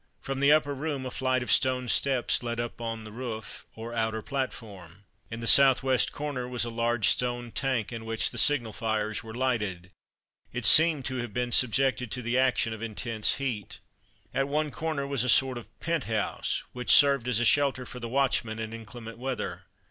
From the upper room a flight of stone steps led upon the roof or outer platform. In the south west corner was a large stone tank in which the signal fires were lighted. It seemed to have been subjected to the action of intense heat. At one corner was a sort of pent house which served as a shelter for the watchman in inclement weather.